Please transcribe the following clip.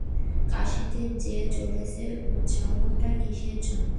কাশীতে যে চলেছ, উৎসাহটা কিসের জন্যে?